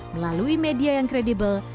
melalui media yang kredibel